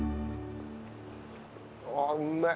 ああうめえ。